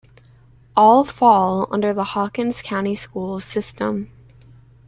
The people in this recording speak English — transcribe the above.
All fall under the Hawkins County Schools system.